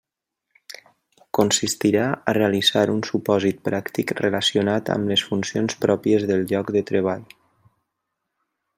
Consistirà a realitzar un supòsit pràctic relacionat amb les funcions pròpies del lloc de treball.